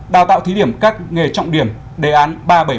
năm đào tạo thí điểm các nghề trọng điểm đề án ba trăm bảy mươi một